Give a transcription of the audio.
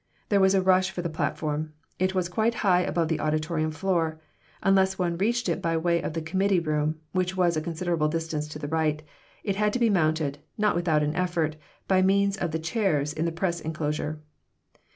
There was a rush for the platform. It was quite high above the auditorium floor; unless one reached it by way of the committee room, which was a considerable distance to the right, it had to be mounted, not without an effort, by means of the chairs in the press inclosure.